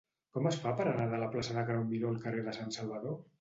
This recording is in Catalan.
Com es fa per anar de la plaça de Grau Miró al carrer de Sant Salvador?